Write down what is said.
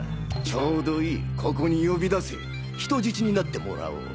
ちょうどいいここに呼び出せ人質になってもらおう。